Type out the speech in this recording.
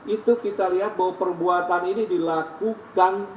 itu kita lihat bahwa perbuatan ini dilakukan